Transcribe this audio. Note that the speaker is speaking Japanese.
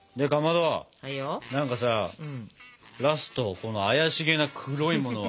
何かさラストこの怪しげな黒いものは。